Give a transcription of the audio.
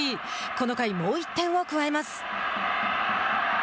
この回もう１点を加えます。